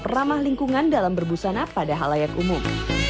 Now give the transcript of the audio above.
untuk meramah lingkungan dalam berbusana pada hal layak umum